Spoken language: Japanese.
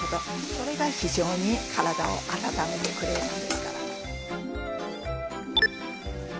それが非常に体を温めてくれるんですから。